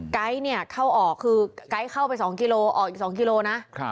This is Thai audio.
ไก๊เนี่ยเข้าออกคือไก๊เข้าไป๒กิโลออกอีก๒กิโลนะ